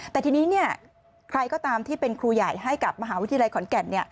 แต่ทีนี้ใครก็ตามที่เป็นครูใหญ่ให้กับมหาวิทยาลัยขอนแก่น